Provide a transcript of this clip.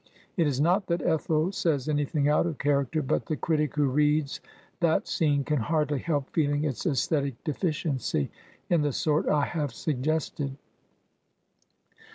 It is not that Ethel says anything out of character; but the critic who reads that scene can hardly help feeling its Aesthetic deficiency, in the sort I have suggested.